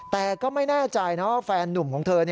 แต่ก็ไม่แน่ใจนะว่าแฟนนุ่มของเธอ